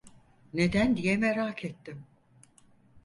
Neden diye merak ettim.